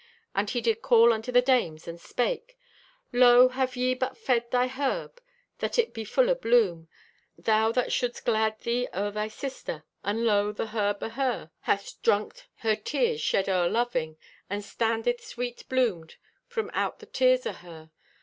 And he did call unto the dames and spake: "'Lo, have ye but fed thy herb that it be full o' bloom, that thou shouldst glad thee o'er thy sister? And lo, the herb o' her hath drunked her tears shed o' loving, and standeth sweet bloomed from out the tears o' her.